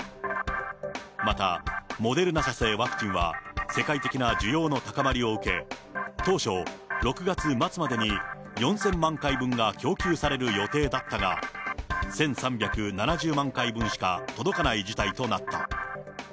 また、モデルナ社製ワクチンは、世界的な需要の高まりを受け、当初、６月末までに４０００万回分が供給される予定だったが、１３７０万回分しか届かない事態となった。